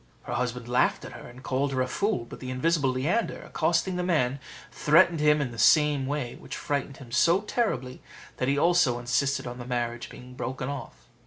Her husband laughed at her, and called her a fool. But the invisible Leander accosting the man, threatened him in the same way, which frightened him so terribly, that he also insisted on the marriage being broken off.